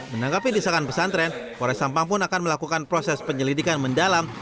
menangkapi disakan pesantren polis sampang pun akan melakukan proses penyelidikan mendalam